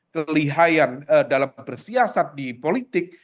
kelihayan dalam bersiasat di politik